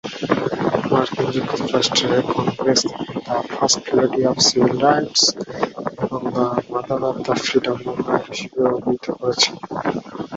মার্কিন যুক্তরাষ্ট্রের কংগ্রেস তাকে "the first lady of civil rights" এবং "the mother of the freedom movement" হিসেবে অভিহিত করেছে।